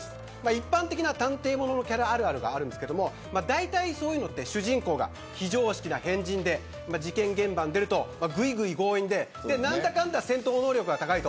一般的な探偵もののキャラあるあるがあるんですけど大体そういうのは主人公が非常識な変人で事件現場に出るとぐいぐい強引で何だかんだ戦闘能力が高い。